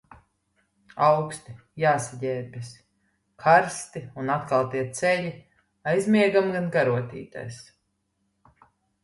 Auksti, jāsaģērbjas. Karsti un atkal tie ceļi. Aizmiegam gan karotītēs.